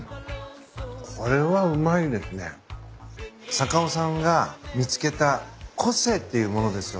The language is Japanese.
坂尾さんが見つけた個性っていうものですよね。